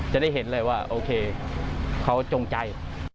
จะได้เห็นเลยว่าโอเคเขาจงใจ